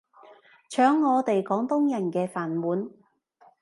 搶我哋廣東人嘅飯碗